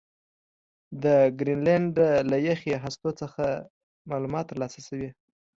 د ګرینلنډ له یخي هستو څخه معلومات ترلاسه شوي